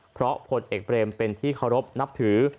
เพราะผลเอกเบรมเป็นที่เคารพนับถือ